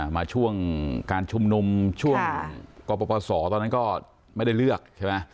มาช่วงการชุมนุมช่วงกรปศตอนนั้นก็ไม่ได้เลือกใช่ไหม